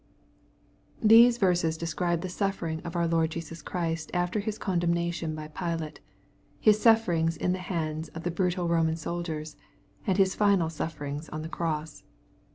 These verses describe the sufferings of our Lord Jesus Christ after his condemnation by Pilate, — His sufferings in the hands of the brutal Boman soldiers, and His final sufferings on the cross.